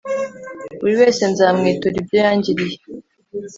buri wese nzamwitura ibyo yangiriye